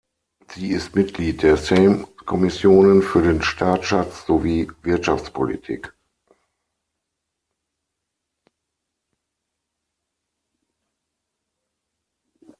Sie ist Mitglied der Sejm Kommissionen für den Staatsschatz sowie Wirtschaftspolitik.